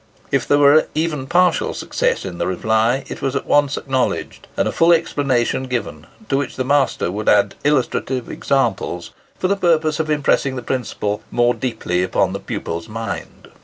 If there were even partial success in the reply, it was at once acknowledged, and a full explanation given, to which the master would add illustrative examples for the purpose of impressing the principle more deeply upon the pupil's mind.